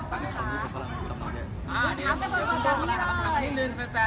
ภาษาสร้างการพูดมาเริ่มเข้ามาแล้วกันนะคะ